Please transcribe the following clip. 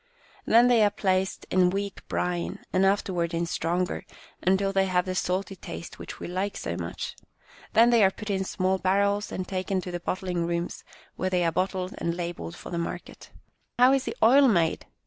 Then they are placed in weak brine, and after ward in stronger, until they have the salty taste which we like so much. Then they are put in small barrels and taken to the bottling rooms, where they are bottled and labelled for the market." " How is the oil made